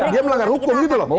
dia melanggar hukum gitu loh